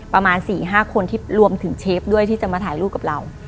ประมาณ๔๕คนที่รวมถึงเชฟด้วยที่จะมาถ่ายรูปกับเรา